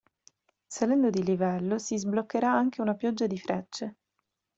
Salendo di livello, si sbloccherà anche una pioggia di frecce.